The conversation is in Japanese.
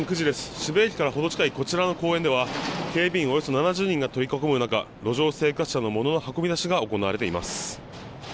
渋谷駅からほど近いこちらの公園では警備員およそ７０人が取り囲む中路上生活者の物の運び出しが行われています。